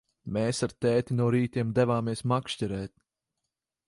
Mēs ar tēti no rītiem devāmies makšķerēt.